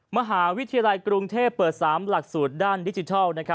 มหาวิทยาลัยกรุงเทพเปิด๓หลักสูตรด้านดิจิทัล